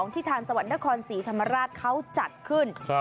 ที่ทางจังหวัดนครศรีธรรมราชเขาจัดขึ้น